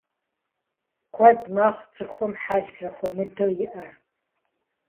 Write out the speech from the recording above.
Куэд мэхъу цӀыхум хьэл зэхуэмыдэу иӀэр.